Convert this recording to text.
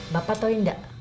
bapak tau ga